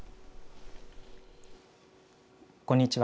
こんにちは。